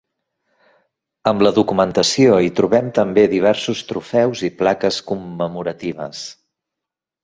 Amb la documentació hi trobem també diversos trofeus i plaques commemoratives.